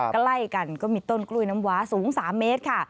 ใกล้กันก็มีต้นกล้วยน้ำว้าสูง๓เมตรค่ะ